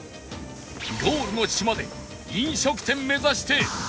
ゴールの島で飲食店目指して走る！